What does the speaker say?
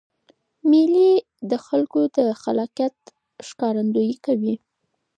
مېلې د خلکو د خلاقیت ښکارندویي کوي.